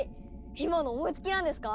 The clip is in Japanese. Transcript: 今の思いつきなんですか？